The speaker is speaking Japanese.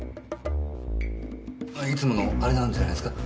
いつものあれなんじゃないすか？